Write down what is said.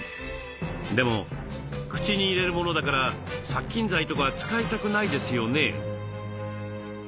でも口に入れるものだから殺菌剤とかは使いたくないですよね。